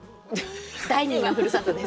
第２のふるさとです。